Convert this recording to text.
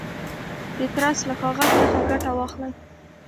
د ترس له کاغذ څخه ګټه واخلئ.